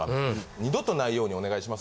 二度とないようにお願いします。